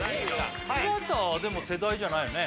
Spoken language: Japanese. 尾形はでも世代じゃないよね